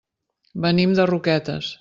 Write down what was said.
Venim de Roquetes.